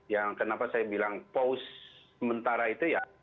yang kenapa saya bilang pause sementara ya